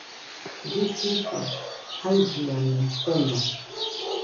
Llɨkɨsi jailluano seno